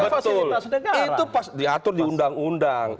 betul itu fasilitas negara itu diatur di undang undang